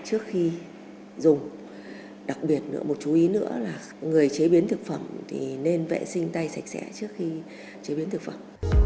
trước khi dùng đặc biệt nữa một chú ý nữa là người chế biến thực phẩm thì nên vệ sinh tay sạch sẽ trước khi chế biến thực phẩm